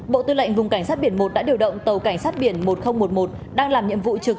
bộ tư lệnh vùng cảnh sát biển một đã điều động tàu cảnh sát biển một nghìn một mươi một đang làm nhiệm vụ trực